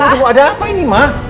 tunggu tunggu ada apa ini mah